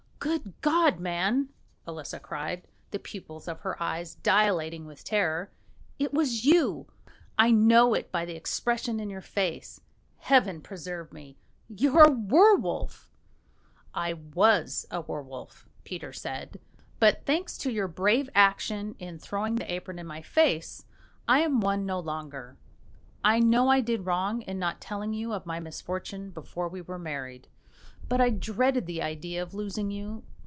"Good God, man!" Elisa cried, the pupils of her eyes dilating with terror, "it was you! I know it by the expression in your face. Heaven preserve me! You're a werwolf!" "I was a werwolf," Peter said, "but thanks to your brave action in throwing the apron in my face, I am one no longer. I know I did wrong in not telling you of my misfortune before we were married, but I dreaded the idea of losing you.